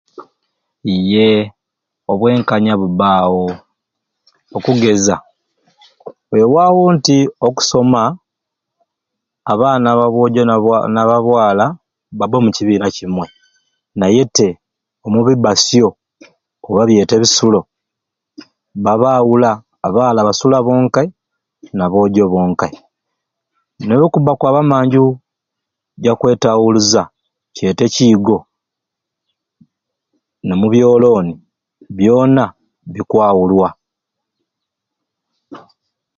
Iyee obwenkanya bubbaawo okugeza wewaawo nti okusoma abaana ba bwojo naba n'ababwala babba omu kibiina kimwe naye te omubibbasyo oba byete ebisulo babaawula abaala basula bonkai n'aboojo bonkai naye kubbe kwaba manju wakwewawuluza kyet'ekiigo n'omubyolooni byona bikwawulwa.